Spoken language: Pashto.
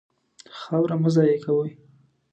خاوره مه ضایع کوئ.